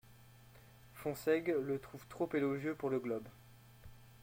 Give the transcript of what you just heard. Fonsègue le trouve trop élogieux pour le Globe.